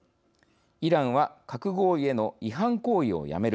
「イランは核合意への違反行為をやめる」